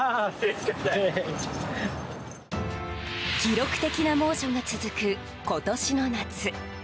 記録的な猛暑が続く今年の夏。